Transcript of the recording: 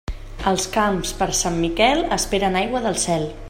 Els camps per Sant Miquel esperen aigua del cel.